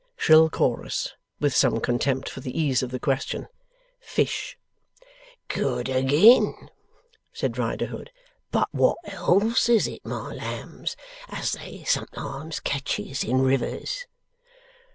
Shrill chorus (with some contempt for the ease of the question): 'Fish!' 'Good a gin!' said Riderhood. 'But wot else is it, my lambs, as they sometimes ketches in rivers?